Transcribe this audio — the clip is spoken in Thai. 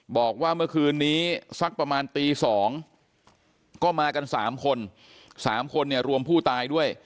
บอกว่าเมื่อคืนนี้สักประมาณตี๒ก็มากัน๓คน๓คนเนี่ยรวมผู้ตายด้วย